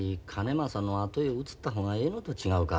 まさのあとへ移った方がええのと違うか？